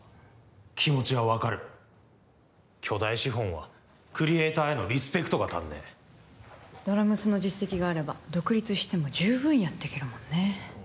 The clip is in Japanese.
気持ちは分かる巨大資本はクリエイターへのリスペクトが足んねえドラ娘の実績があれば独立しても十分やっていけるもんね